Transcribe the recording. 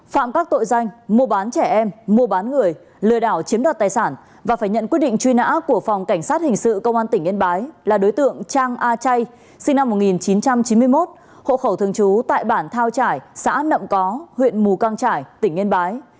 phạm các tội danh mua bán trẻ em mua bán người lừa đảo chiếm đoạt tài sản và phải nhận quyết định truy nã của phòng cảnh sát hình sự công an tỉnh yên bái là đối tượng trang a chay sinh năm một nghìn chín trăm chín mươi một hộ khẩu thường trú tại bản thao trải xã nậm có huyện mù căng trải tỉnh yên bái